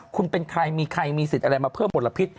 คุณเป็นใครมีใครมีสิทธิ์อะไรมาเพิ่มมลพิษ